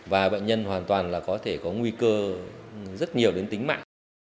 và bệnh nhân hoàn toàn là có thể có nguy cơ rất nhiều đến tính mạng